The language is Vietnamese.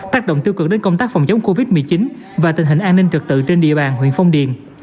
tác động tiêu cực đến công tác phòng chống covid một mươi chín và tình hình an ninh trực tự trên địa bàn huyện phong điền